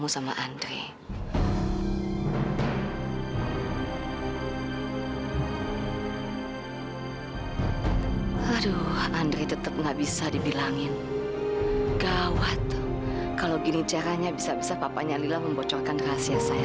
sampai jumpa di video selanjutnya